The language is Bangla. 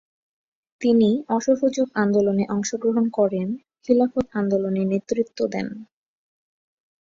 তিনি অসহযোগ আন্দোলনে অংশগ্রহণ করেন, খিলাফত আন্দোলনে নেতৃত্ব দেন।